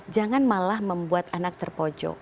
jangan malah membuat anak terpojok